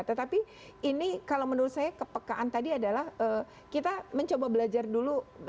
tetapi ini kalau menurut saya kepekaan tadi adalah kita mencoba belajar dulu